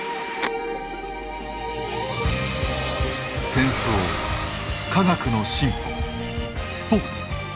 戦争科学の進歩スポーツ。